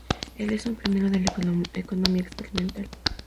Él es un pionero de la economía experimental.